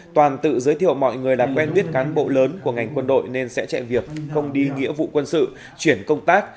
toàn tự giới thiệu mọi người làm quen biết cán bộ lớn của ngành quân đội nên sẽ chạy việc không đi nghĩa vụ quân sự chuyển công tác